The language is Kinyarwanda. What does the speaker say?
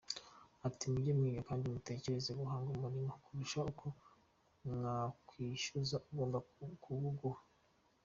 Ati mujye mwiga kandi mutekereza guhanga umulimo kurusha uko mwakwishyuza ugomba kuwuguha.